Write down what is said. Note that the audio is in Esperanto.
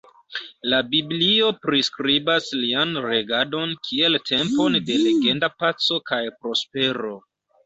La biblio priskribas lian regadon kiel tempon de legenda paco kaj prospero.